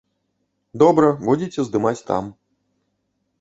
Добра, будзеце здымаць там.